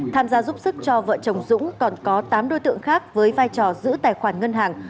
tham gia giúp sức cho vợ chồng dũng còn có tám đối tượng khác với vai trò giữ tài khoản ngân hàng